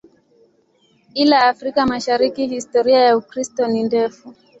Ila Afrika Mashariki historia ya Ukristo si ndefu.